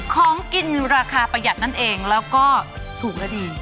ของกินราคาประหยัดนั่นเองแล้วก็ถูกและดี